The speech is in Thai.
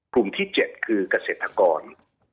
กลุ่มที่๗คือกระเศรษฐกร